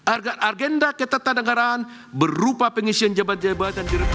agenda agenda ketatan dengaran berupa pengisian jambatan jambatan